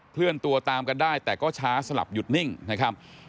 เลื่อนตัวตามกันได้แต่ก็ช้าสลับหยุดนิ่งนะครับ